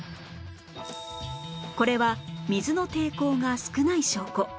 これは水の抵抗が少ない証拠